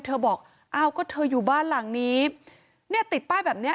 เธอบอกอ้าวก็เธออยู่บ้านหลังนี้ติดป้ายแบบนี้